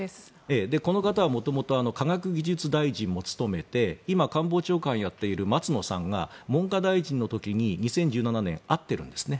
この方は元々科学技術大臣も務めて今、官房長官をやっている松野さんが文科大臣の時に２０１７年会っているんですね。